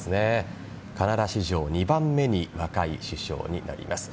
カナダ史上２番目に若い首相になります。